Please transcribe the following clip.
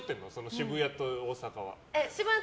渋谷と大阪は。